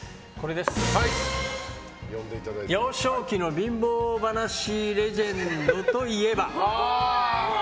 幼少期の貧乏話レジェンドといえば？